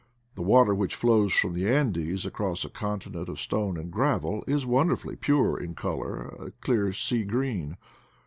The water, which flows from the Andes across a continent of stone and gravel, is wonderfully pure, in color a clear sea green.